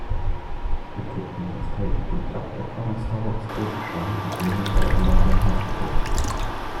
The kidney was taken to Doctor Thomas Horrocks Openshaw at the nearby London Hospital.